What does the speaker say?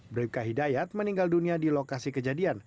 bribka hidayat meninggal dunia di lokasi kejadian